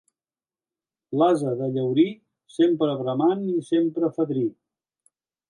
L'ase de Llaurí, sempre bramant i sempre fadrí.